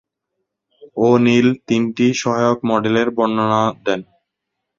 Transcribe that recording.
O'Neill তিনটি সহায়ক মডেলের বর্ণনা দেন।